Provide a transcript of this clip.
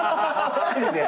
マジで？